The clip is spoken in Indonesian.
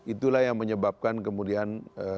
itulah yang menyebabkan kemudian